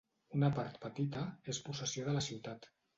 Una part petita és possessió de la ciutat.